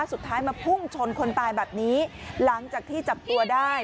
สุดท้ายมาพุ่งชนคนตายแบบนี้หลังจากที่จับตัวได้